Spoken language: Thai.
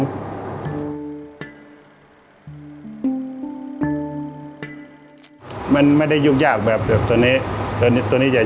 สวัสดีครับผมชื่อสามารถชานุบาลชื่อเล่นว่าขิงถ่ายหนังสุ่นแห่ง